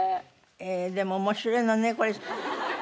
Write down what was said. でも面白いのねこれ。